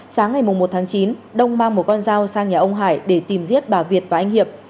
sáng ngày một tháng chín đông mang một con dao sang nhà ông hải để tìm giết bà việt và anh hiệp